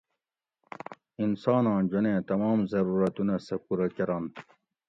انساناں جونیں تمام ضرورتونہ سہ پُورہ کۤرنت